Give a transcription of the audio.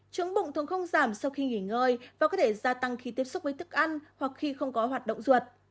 trứng bụng thường không giảm sau khi nghỉ ngơi và có thể gia tăng khi tiếp xúc với thức ăn hoặc khi không có hoạt động ruột